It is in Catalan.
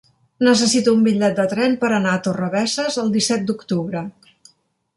Necessito un bitllet de tren per anar a Torrebesses el disset d'octubre.